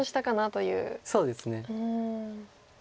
そうですね。